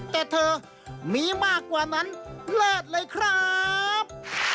แต่เธอมีมากกว่านั้นเลิศเลยครับ